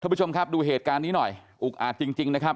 ผู้ชมครับดูเหตุการณ์นี้หน่อยอุกอาจจริงจริงนะครับ